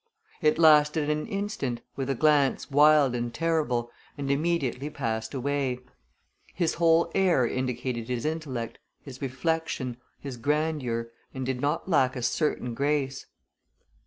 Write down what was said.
It lasted an instant, with a glance wild and terrible, and immediately passed away. His whole air indicated his intellect, his reflection, his grandeur, and did not lack a certain grace.